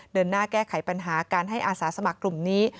เดินหน้าแก้ไขปัญหาการให้อาสาสมัครกลุ่มนี้